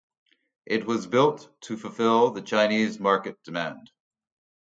It was built to fulfil the Chinese market demand.